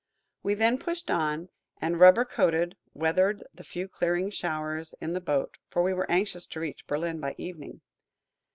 We then pushed on, and, rubber coated, weathered the few clearing showers in the boat, for we were anxious to reach Berlin by evening.